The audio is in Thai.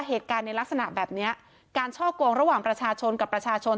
เหตุการณ์ในลักษณะแบบนี้การช่อกงระหว่างประชาชนกับประชาชน